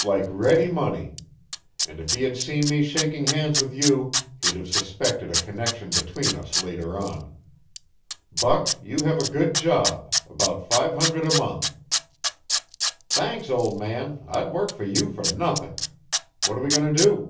"Like ready money. And if he had seen me shaking hands with you, he'd have suspected a connection between us later on. Buck, you have a good job about five hundred a month." "Thanks, old man. I'd work for you for nothing. What are we going to do?"